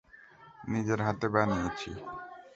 নিজের হাতে বানিয়েছি।